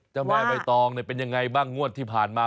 เจ้าแม่ไบตองเป็นอย่างไรบ้างงวดที่ผ่านมา